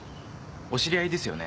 お知り合いですよね？